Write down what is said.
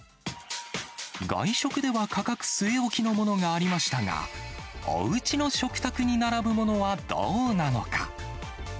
外食では価格据え置きのものがありましたが、おうちの食卓に並ぶものはどうなのか。